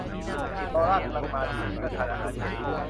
ลาร่ากำลังมาที่นี่เพื่อทานอาหารเย็น